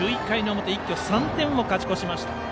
１１回の表一挙３点を勝ち越しました。